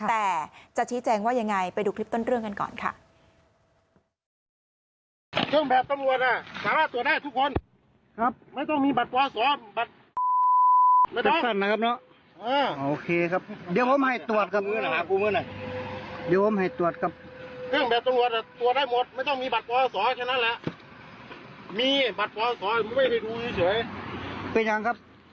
แต่จะชี้แจงว่ายังไงไปดูคลิปต้นเรื่องกันก่อนค่ะ